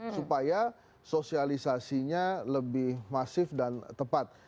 supaya sosialisasinya lebih masif dan tepat